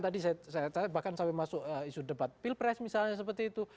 tadi saya bahkan sampai masuk isu debat pilpres misalnya seperti itu